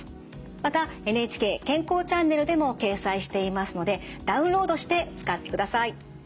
また「ＮＨＫ健康チャンネル」でも掲載していますのでダウンロードして使ってください。